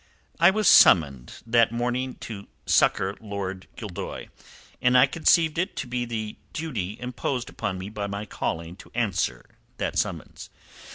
"I was summoned that morning to succour Lord Gildoy, and I conceived it to be the duty imposed upon me by my calling to answer that summons."